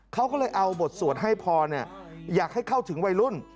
เขาก็เลยเอาบทสวดให้พรอยากให้เข้าถึงวัยรุ่น